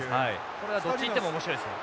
これはどっち行っても面白いですよ。